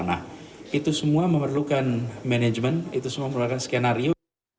nah itu semua memerlukan manajemen itu semua memerlukan skenario